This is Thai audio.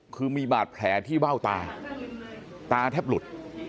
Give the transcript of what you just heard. คือมีบาดแผลที่เบ้าตาตาแทบหลุด